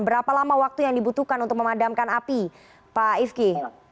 berapa lama waktu yang dibutuhkan untuk memadamkan api pak ifki